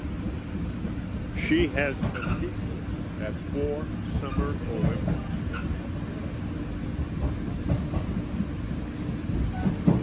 She has competed at four Summer Olympics.